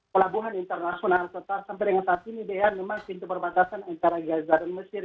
pelabuhan internasional total sampai dengan saat ini dea memang pintu perbatasan antara gaza dan mesir